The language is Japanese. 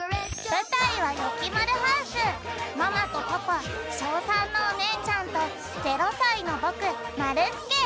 ぶたいはママとパパ小３のおねえちゃんと０さいのぼくまるすけ。